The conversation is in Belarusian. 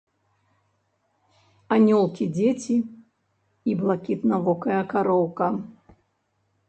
Анёлкі-дзеці і блакітнавокая кароўка.